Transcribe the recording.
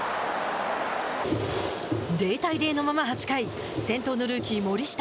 ０対０のまま８回先頭のルーキー、森下。